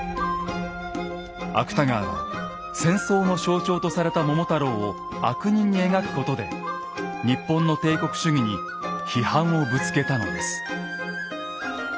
芥川は戦争の象徴とされた桃太郎を悪人に描くことで日本の帝国主義に批判をぶつけたのです。